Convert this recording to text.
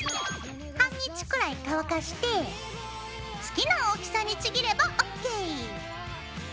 半日くらい乾かして好きな大きさにちぎればＯＫ！